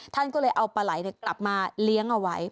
ท่านก็เลยเอาปลาไหลกลับมาเลี้ยงเอาไว้